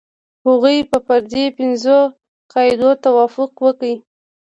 هغوی به پر دې پنځو قاعدو توافق وکړي.